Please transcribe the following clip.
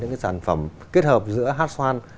những sản phẩm kết hợp giữa hát xoan